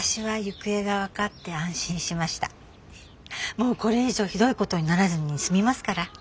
もうこれ以上ひどいことにならずに済みますから。